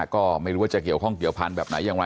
ก็ไม่รู้ว่าจะเกี่ยวข้องเกี่ยวพันธุ์แบบไหนอย่างไร